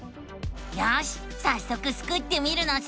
よしさっそくスクってみるのさ！